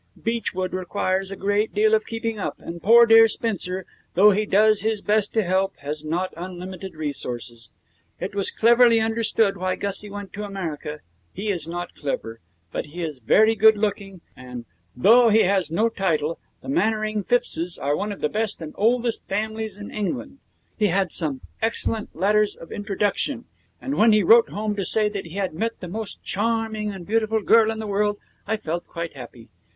Beechwood requires a great deal of keeping up, and poor dear Spencer, though he does his best to help, has not unlimited resources. It was clearly understood why Gussie went to America. He is not clever, but he is very good looking, and, though he has no title, the Mannering Phippses are one of the best and oldest families in England. He had some excellent letters of introduction, and when he wrote home to say that he had met the most charming and beautiful girl in the world I felt quite happy.